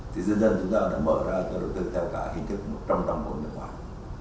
thì dân dân chúng ta đã mở ra đầu tư theo cả hình thức trong đồng hồ nước ngoài